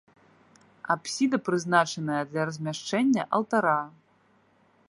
Апсіда прызначаная для размяшчэння алтара.